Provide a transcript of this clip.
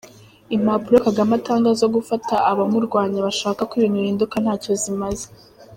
Impapuro Kagame atanga zo gufata abamurwanya bashaka ko ibintu bihinduka ntacyo zimaze.